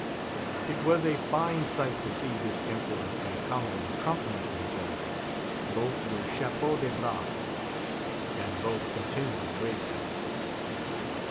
It was a fine sight to see this Emperor and Commodore complimenting each other. Both were chapeaux de bras, and both continually waved them.